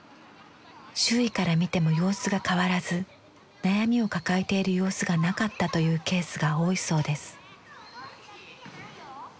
周囲から見ても様子が変わらず悩みを抱えている様子がなかったというケースが多いそうです。